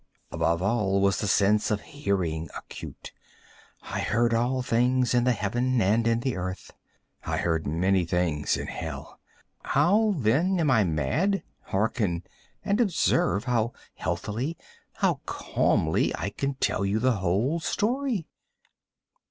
Above all was the sense of hearing acute. I heard all things in the heaven and in the earth. I heard many things in hell. How, then, am I mad? Hearken! and observe how healthily—how calmly I can tell you the whole story.